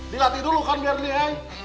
dilatih dulu kan biar dini eh